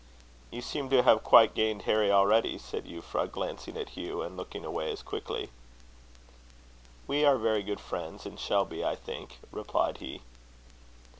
"You seem to have quite gained Harry already," said Euphra, glancing at Hugh, and looking away as quickly. "We are very good friends, and shall be, I think," replied he.